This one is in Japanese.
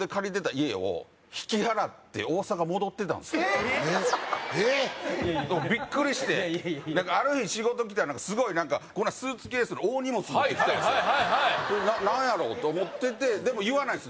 いやいやビックリしてある日仕事来たらすごい何かこんなスーツケースの大荷物持ってきてんですよ何やろうと思っててでも言わないんです